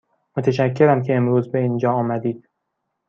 متشکرم که امروز به اینجا آمدید.